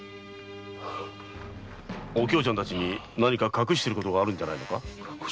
お京ちゃんたちに何か隠していることがあるんじゃないのか？